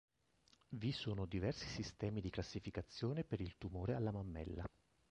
Vi sono diversi sistemi di classificazione per il tumore alla mammella.